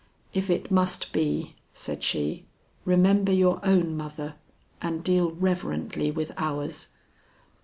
"If it must be," said she, "remember your own mother and deal reverently with ours."